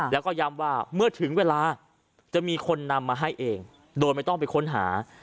แล้วก็ย้ำว่าเมื่อถึงเวลาจะมีคนนำมาให้เองโดยไม่ต้องไปค้นหา